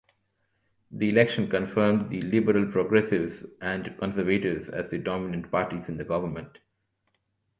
The election confirmed the Liberal-Progressives and Conservatives as the dominant parties in government.